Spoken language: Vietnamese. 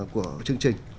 của chương trình